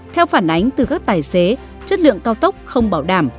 theo phản ánh từ các tài xế chất lượng cao tốc không bảo đảm